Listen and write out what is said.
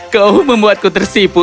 kau membuatku tersipu